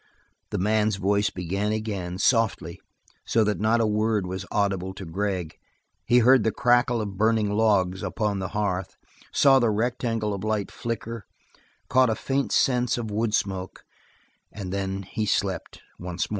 The man's voice began again, softly, so that not a word was audible to Gregg; he heard the crackle of burning logs upon the hearth; saw the rectangle of light flicker; caught a faint scent of wood smoke, and then he slept once more.